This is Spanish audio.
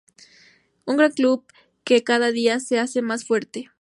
Un gran Club que cada día se hace más fuerte.